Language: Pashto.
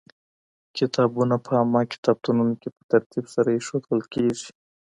کتابونه په عامه کتابتونونو کي په ترتيب سره ايښودل کېږي.